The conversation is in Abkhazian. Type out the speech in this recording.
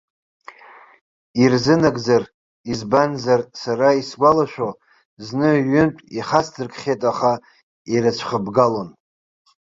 Ирзынагӡар, избанзар, сара исгәалашәо, зны-ҩынтә ихацдыркхьеит, аха ирыцәхыбгалон.